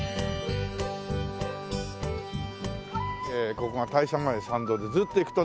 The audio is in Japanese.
ここが大社前参道でずっと行くとね